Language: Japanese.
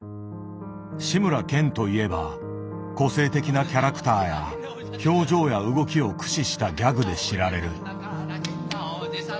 志村けんといえば個性的なキャラクターや表情や動きを駆使したギャグで知られる。